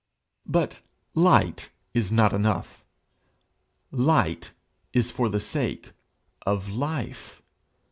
But light is not enough; light is for the sake of life.